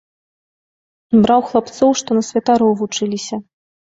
Браў хлапцоў, што на святароў вучыліся.